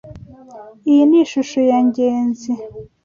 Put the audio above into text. Iyi ni ishusho ya Ngenzi.